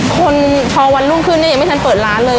คนพอวันรุ่งขึ้นเนี่ยยังไม่ทันเปิดร้านเลย